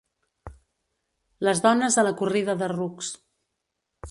Les dones a la corrida de rucs.